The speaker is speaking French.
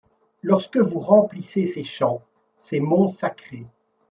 Lorsque vous remplissez ces champs, ces monts sacrés